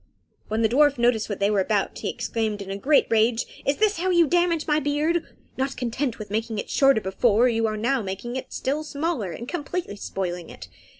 When the dwarf noticed what they were about, he exclaimed, in a great rage, "Is this how you damage my beard? Not content with making it shorter before, you are now making it still smaller, and completely spoiling it.